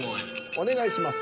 お願いします。